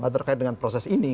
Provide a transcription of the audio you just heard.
terkait dengan proses ini